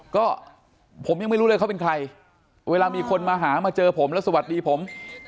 ก็ผมยังไม่รู้เลยเขาเป็นใครเวลามีคนมาหามาเจอผมแล้วสวัสดีผม